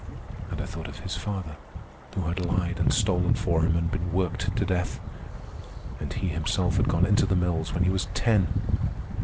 And I thought of his father, who had lied and stolen for him and been worked to death. And he himself had gone into the mills when he was ten!